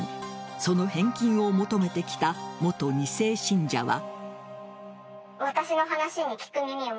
その返金を求めてきた元２世信者は。